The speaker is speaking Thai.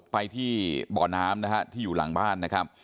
ไปที่บ่อน้ำนะฮะที่อยู่หลังบ้านนะครับ